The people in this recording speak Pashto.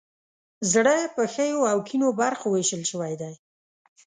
زړه په ښیو او کیڼو برخو ویشل شوی دی.